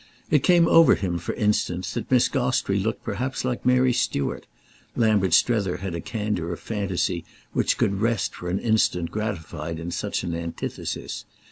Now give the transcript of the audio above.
It came over him for instance that Miss Gostrey looked perhaps like Mary Stuart: Lambert Strether had a candour of fancy which could rest for an instant gratified in such an antithesis.